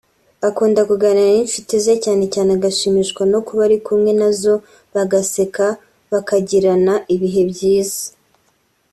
akunda kuganira n’ncuti ze cyane cyane agashimishwa no kuba ari kumwe nazo bagaseka bakagirana ibihe byiza